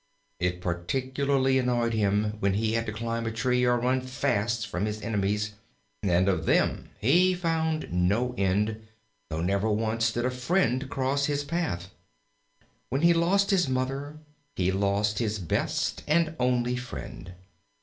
It particularly annoyed him when he had to climb a tree or run fast from his enemies; and of them he found no end, though never once did a friend cross his path. When he lost his Mother he lost his best and only friend.